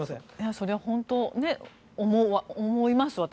それは本当に思います